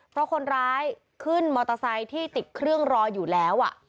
เพราะคนร้ายขึ้นมอเตอร์ไซค์ที่ติดเครื่องรออยู่แล้ว